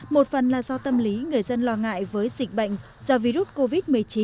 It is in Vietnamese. một phần là do tâm lý người dân lo ngại với dịch bệnh do virus covid một mươi chín